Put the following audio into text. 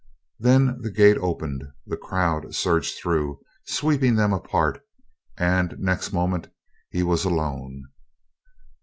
Then the gate opened, the crowd surged through, sweeping them apart, and next moment he was alone.